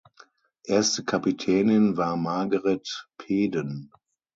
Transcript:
Erste Kapitänin war Margaret Peden.